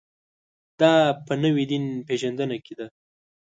دا په نوې دین پېژندنه کې ده.